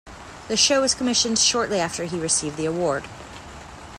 The show was commissioned shortly after he received the award.